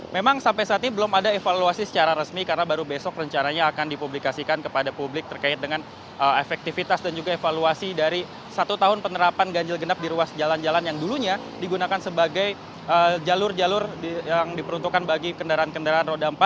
memang sampai saat ini belum ada evaluasi secara resmi karena baru besok rencananya akan dipublikasikan kepada publik terkait dengan efektivitas dan juga evaluasi dari satu tahun penerapan ganjil genap di ruas jalan jalan yang dulunya digunakan sebagai jalur jalur yang diperuntukkan bagi kendaraan kendaraan roda empat